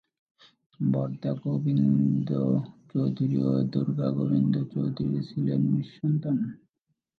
বরদা গোবিন্দ চৌধুরী ও দুর্গা গোবিন্দ চৌধুরী ছিলেন নিঃসন্তান।